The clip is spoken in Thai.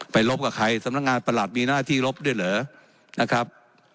ลบกับใครสำนักงานประหลัดมีหน้าที่ลบด้วยเหรอนะครับ